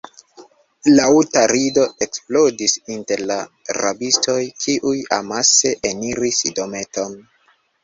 Laŭta rido eksplodis inter la rabistoj, kiuj amase eniris dometon.